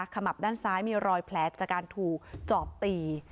ขมับด้านซ้ายมีรอยแผลจากการถูกจอบตี